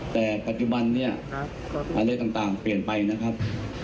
แต่ปัจจุบันเนี่ยอะไรต่างเปลี่ยนไปนะครับ